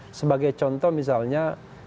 karena sebagai contoh misalnya